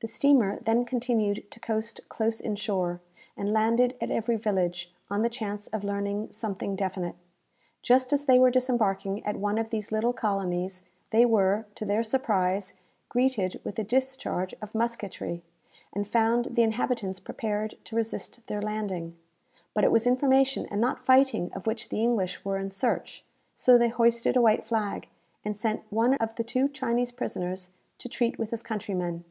The steamer then continued to coast close in shore, and landed at every village, on the chance of learning something definite. Just as they were disembarking at one of these little colonies, they were, to their surprise, greeted with a discharge of musketry, and found the inhabitants prepared to resist their landing. But it was information and not fighting of which the English were in search; so they hoisted a white flag, and sent one of the two Chinese prisoners to treat with his countrymen.